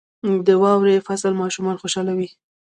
• د واورې فصل ماشومان خوشحالوي.